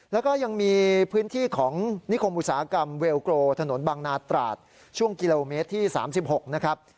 แล้วก็ยังมีพื้นที่ของนิคมอุตสาหกรรมเวลโกรถนนบางนาตราดช่วงกิโลเมตรที่๓๖นะครับ